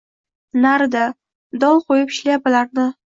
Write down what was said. Narida, dol qo’yib shlyapalarni